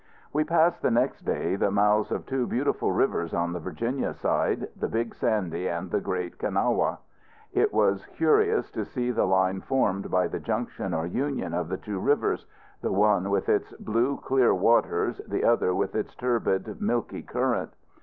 We passed the next day the mouths of two beautiful rivers on the Virginia side, the Big Sandy and the Great Kanawha. It was curious to see the line formed by the junction or union of the two rivers the one with its blue clear waters, the other with its turbid, milky current.